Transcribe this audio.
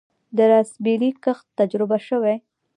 د راسبیري کښت تجربه شوی؟